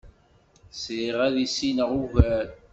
Sriɣ ad issineɣ ugar.